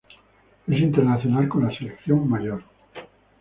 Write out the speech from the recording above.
Es internacional con la selección mayor.